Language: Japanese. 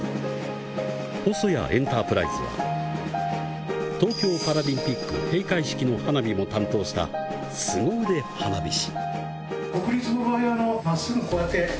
ホソヤエンタープライズは、東京パラリンピックの閉会式の花火も担当した凄腕花火師。